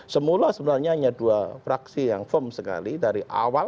semula sebenarnya hanya dua fraksi yang firm sekali